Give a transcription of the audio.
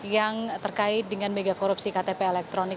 yang terkait dengan mega korupsi ktp elektronik